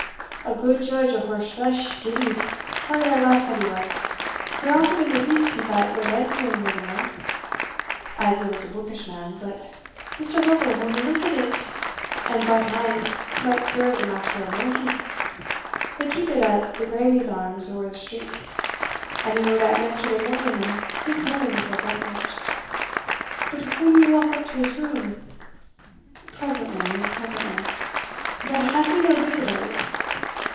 A gude judge o' horse flesh Gibbie tauld our lass that he was for he offered him a beast he thought wad answer him weel eneugh, as he was a bookish man, but Mr. Lovel wadna look at it, and bought ane might serve the Master o' Morphie they keep it at the Graeme's Arms, ower the street; and he rode out yesterday morning and this morning before breakfast But winna ye walk up to his room?" "Presently, presently. But has he no visitors?"